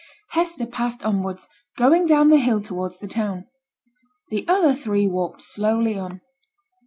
Hester passed onwards, going down the hill towards the town. The other three walked slowly on.